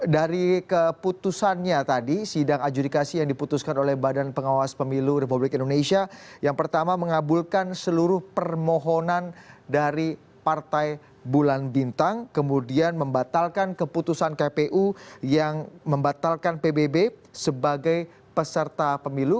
dari keputusannya tadi sidang adjudikasi yang diputuskan oleh badan pengawas pemilu republik indonesia yang pertama mengabulkan seluruh permohonan dari partai bulan bintang kemudian membatalkan keputusan kpu yang membatalkan pbb sebagai peserta pemilu